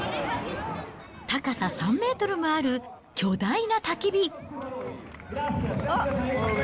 高さ３メートルもある巨大なたき火。